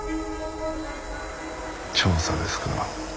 調査ですか。